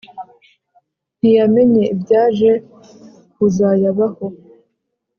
Ntiyamenye ibyaje kuzayabaho